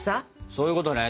そういうことね！